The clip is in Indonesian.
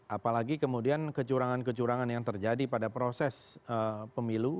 apalagi kemudian kecurangan kecurangan yang terjadi pada proses pemilu